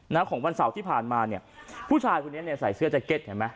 ของวันเสาร์ที่ผ่านมาเนี่ยผู้ชายคนนี้เนี่ยใส่เสื้อแจ๊เก็ตเห็นไหม